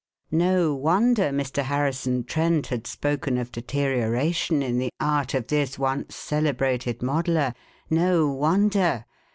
No wonder Mr. Harrison Trent had spoken of deterioration in the art of this once celebrated modeller. No wonder!